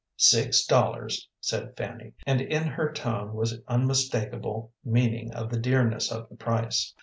"Six dollars," said Fanny, and in her tone was unmistakable meaning of the dearness of the price.